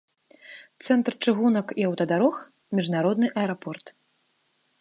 Цэнтр чыгунак і аўтадарог, міжнародны аэрапорт.